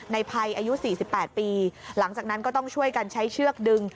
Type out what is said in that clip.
ในภัยอายุ๔๘ปีหลังจากนั้นก็ต้องช่วยกันใช้เชือกดึง